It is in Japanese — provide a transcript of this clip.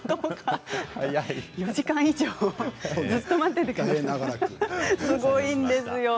４時間以上ずっと待っててくれてすごいですよ。